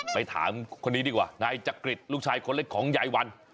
ไปถามคนนี้ดีกว่านายจักริตลูกชายคนเล็กของยายวัน